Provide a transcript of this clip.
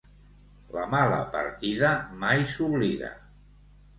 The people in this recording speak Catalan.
La mala partida mai s'oblida.